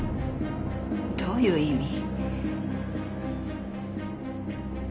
どういう意味？